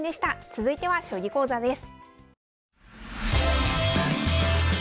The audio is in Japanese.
続いては将棋講座です。